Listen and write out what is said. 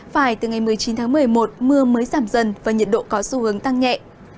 phải từ ngày một mươi chín tháng một mươi một mưa mới giảm dần và nhiệt độ có xu hướng tăng nhẹ